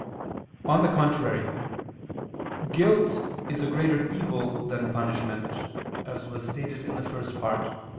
On the contrary, Guilt is a greater evil than punishment, as was stated in the First Part (Q.